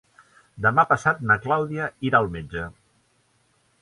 Demà passat na Clàudia irà al metge.